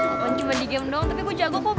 aku cuma di game doang tapi gue jago kok balapan motor